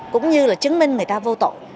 cũng như là chứng minh người ta vô tội